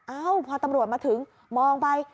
เอ้าพอตำรวจมาถึงมองไป